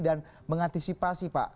dan mengantisipasi pak